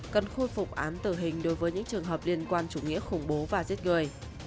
cần khôi phục án tử hình đối với những trường hợp liên quan chủ nghĩa khủng bố và giết người